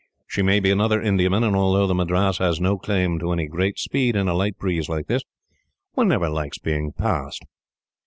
She may be another Indiaman, and although the Madras has no claim to any great speed in a light breeze like this, one never likes being passed."